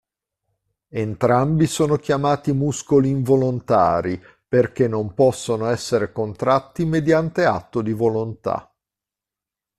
Entrambi sono chiamati muscoli involontari perché non possono essere contratti mediante atto di volontà.